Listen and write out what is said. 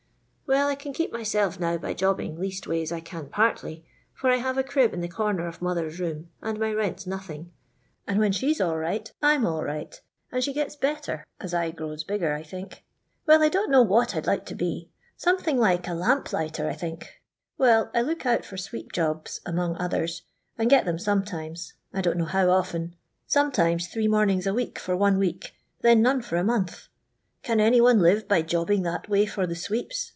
" Well, I can keep myself now by jobbing, leastways 1 can partly, for I have a crib in a comer of mother's room, and my rent 's nothing, and when she 's all right /'m all right, and she gets better as I grows bigger, I think. Well, I don't know what I 'd like to be ; something like a bwip lighter, I think. Well, I look out for sweep jolM among others, and get them sometimes. I don't know how often. Sometimes three morn ings a week for one week ; then none for a month. Can any one live by jobbing that way for the sweeps?